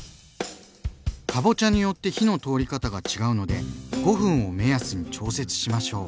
かぼちゃによって火の通り方が違うので５分を目安に調節しましょう。